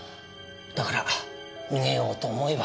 だから逃げようと思えば。